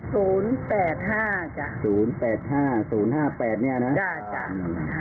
สูงแปดห้าสูงแปดห้าสูงห้าแปดเนี่ยนะจ้ะจัก